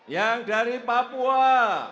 yang dari papua